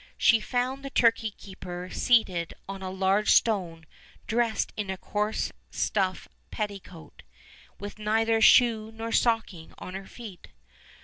She found the turkey keeper seated on a large stone dressed in a coarse stuff petticoat, with neither shoe nor stocking on her feet.